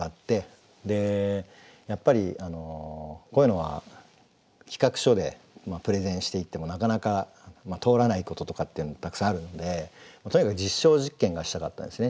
やっぱりこういうのは企画書でプレゼンしていってもなかなか通らないこととかっていうのたくさんあるのでとにかく実証実験がしたかったんですね